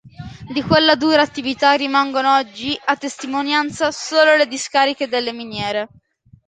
Di quella dura attività rimangono oggi, a testimonianza, solo le discariche delle miniere.